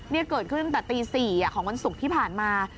นี่เกิดขึ้นตั้งแต่ตี๔ของวันศุกร์ที่ผ่านมา